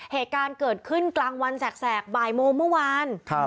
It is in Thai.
เหตุการณ์เกิดขึ้นกลางวันแสกบ่ายโมงเมื่อวาน